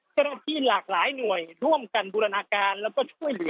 เจ้าหน้าที่หลากหลายหน่วยร่วมกันบูรณาการแล้วก็ช่วยเหลือ